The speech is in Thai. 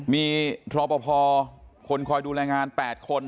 มีทรอปภคนคอยดูแลงาน๘คน